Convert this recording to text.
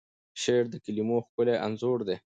شعر د کلیمو ښکلی انځور دی.